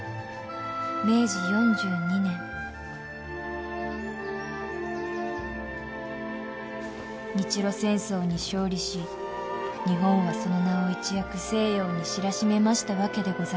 明治４２年日露戦争に勝利し日本はその名を一躍西洋に知らしめましたわけでございますが